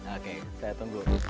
oke saya tunggu